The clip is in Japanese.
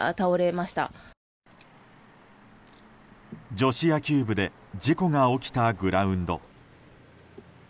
女子野球部で事故が起きたグラウンド。